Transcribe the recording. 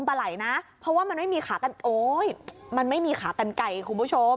เพราะว่ามันไม่มีขากันไก่คุณผู้ชม